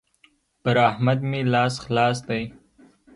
پر احمد مې لاس خلاص دی.